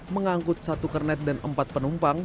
mengangkut satu kernet dan empat penumpang